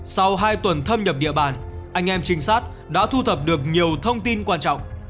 sau hai tuần thâm nhập địa bàn anh em trinh sát đã thu thập được nhiều thông tin quan trọng